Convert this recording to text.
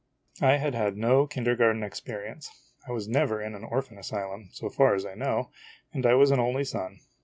I had had no kindergarten experience. I was never in an or phan asylum, so far as I know, and I was an only son.